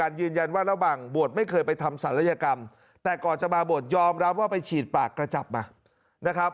ยืนยันว่าระหว่างบวชไม่เคยไปทำศัลยกรรมแต่ก่อนจะมาบวชยอมรับว่าไปฉีดปากกระจับมานะครับ